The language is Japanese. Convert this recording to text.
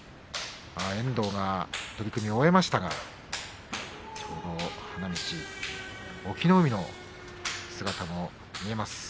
遠藤が取組を終えましたからちょうど花道、隠岐の海の姿も見えます。